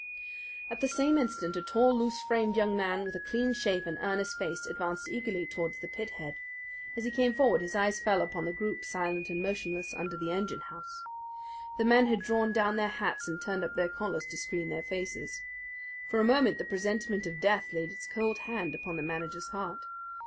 At the same instant a tall, loose framed young man with a clean shaved, earnest face advanced eagerly towards the pit head. As he came forward his eyes fell upon the group, silent and motionless, under the engine house. The men had drawn down their hats and turned up their collars to screen their faces. For a moment the presentiment of Death laid its cold hand upon the manager's heart.